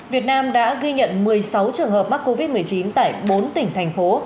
việt nam đã ghi nhận một mươi sáu trường hợp mắc covid một mươi chín tại bốn tỉnh thành phố